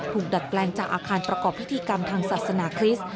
ดัดแปลงจากอาคารประกอบพิธีกรรมทางศาสนาคริสต์